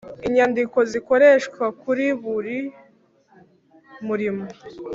Inyandiko zikoreshwa kuri buri murimo